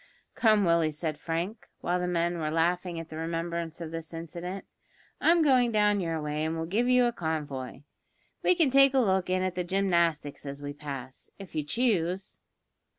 "Come, Willie," said Frank, while the men were laughing at the remembrance of this incident. "I'm going down your way and will give you a convoy. We can take a look in at the gymnastics as we pass, if you choose."